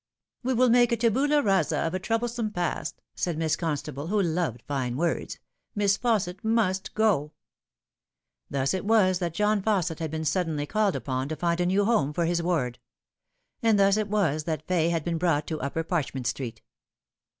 "We will make a tabula rasa of a trouoiesoine past," said Miss Constable, who loved fine words. " Miss Fausset must go."* Thus it was that John Fausset had been suddenly called upon to find a new home for his ward ; and thus it was that Fay had been brought to Upper Parchment Street.